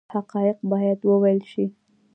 حقایق باید وویل شي